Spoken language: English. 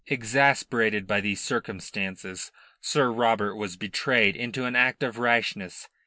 Exasperated by these circumstances, Sir Robert was betrayed into an act of rashness.